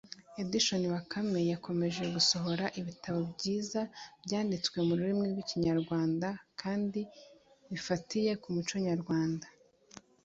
Editions Bakame yakomeje gusohora ibitabo byiza byanditse mu rurimi rw’Ikinyarwanda kandi bifatiye ku muco nyarwanda